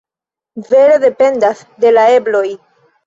Vere dependas de la ebloj.